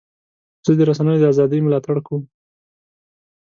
زه د رسنیو د ازادۍ ملاتړ کوم.